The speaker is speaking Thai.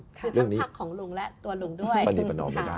คลักษณ์ของลุงและตัวลุงด้วยประณีประนอมไม่ได้